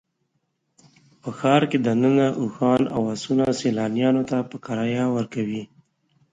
په ښار کې دننه اوښان او اسونه سیلانیانو ته په کرایه ورکوي.